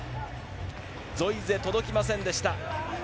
ゾイゼ、届きませんでした。